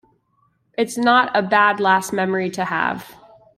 It's not a bad last memory to have.